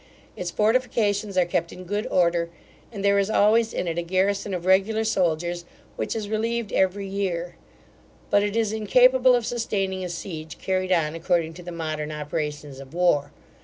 Its fortifications are kept in good order, and there is always in it a garrison of regular soldiers, which is relieved every year; but it is incapable of sustaining a siege carried on according to the modern operations of war.